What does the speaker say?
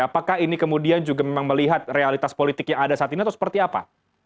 apakah ini kemudian juga memang melihat realitas politik yang ada saat ini atau seperti apa